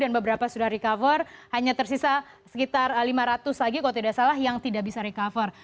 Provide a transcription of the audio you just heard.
dan beberapa sudah recover hanya tersisa sekitar lima ratus lagi kalau tidak salah yang tidak bisa recover